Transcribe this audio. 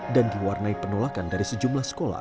dan diwarnai penolakan dari sejumlah sekolah